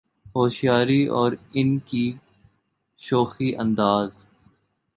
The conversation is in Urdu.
ہوشیاری اور ان کی شوخی انداز